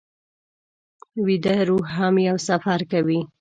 ویده روح هم یو سفر کوي